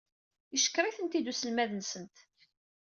Yeckeṛ-itent-id uselmad-nsent.